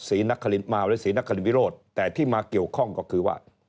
มาหรือศรีนครินวิโรธแต่ที่มาเกี่ยวข้องก็คือว่า